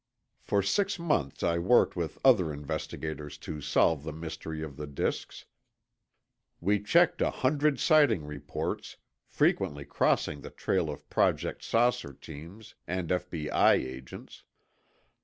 For six months, I worked with other investigators to solve the mystery of the disks. We checked a hundred sighting reports, frequently crossing the trail of Project "Saucer" teams and F.B.I. agents.